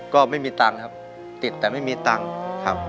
ก็ไม่มีตังค์ครับติดแต่ไม่มีตังค์ครับ